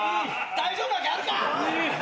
大丈夫なわけあるか！